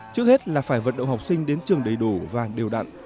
trước hết là phải vận động học sinh đến trường đầy đủ và đều đặn